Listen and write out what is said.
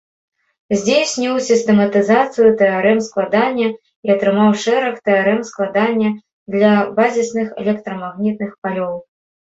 Здзейсніў сістэматызацыю тэарэм складання і атрымаў шэраг тэарэм складання для базісных электрамагнітных палёў.